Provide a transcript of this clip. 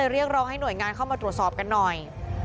เรียกร้องให้หน่วยงานเข้ามาตรวจสอบกันหน่อย